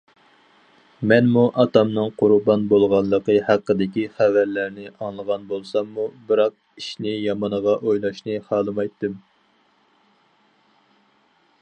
مەنمۇ ئاتامنىڭ قۇربان بولغانلىقى ھەققىدىكى خەۋەرلەرنى ئاڭلىغان بولساممۇ، بىراق ئىشنى يامىنىغا ئويلاشنى خالىمايتتىم.